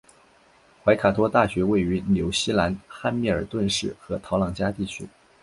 怀卡托大学位于纽西兰汉密尔顿市和陶朗加地区。